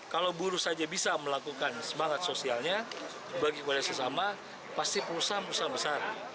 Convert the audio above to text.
kalau buruh saja bisa melakukan semangat sosialnya bagi kepada sesama pasti perusahaan perusahaan besar